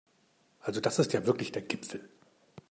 Also das ist ja wirklich der Gipfel!